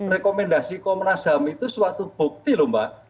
rekomendasi komnasam itu suatu bukti loh mbak